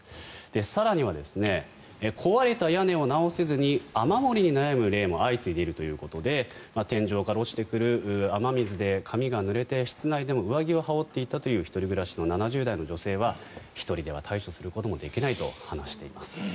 更には、壊れた屋根を直せずに雨漏りに悩む例も相次いでいるということで天井から落ちてくる雨水で髪がぬれて室内でも上着を羽織っていたという７０代の女性は１人では対処することができないと話しています。